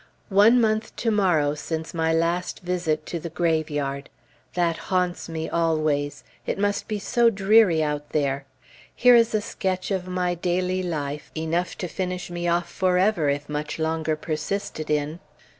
One month to morrow since my last visit to the graveyard! That haunts me always; it must be so dreary out there! Here is a sketch of my daily life, enough to finish me off forever, if much longer persisted in.